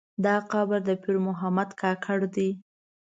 دا قبر د پیر محمد کاکړ دی.